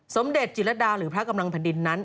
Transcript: สมเด็จจิตรดาหรือพระกำลังแผ่นดินนั้น